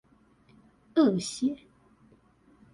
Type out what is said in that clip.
惡血